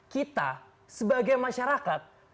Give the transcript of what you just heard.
kita sebagai masyarakat